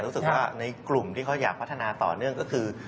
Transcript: รู้สึกว่าในกลุ่มที่เขาอยากพัฒนาต่อเนื่องก็คือ